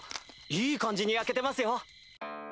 いい感じに焼けてますよ。